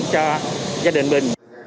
cho gia đình mình